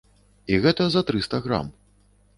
І гэта за трыста грам.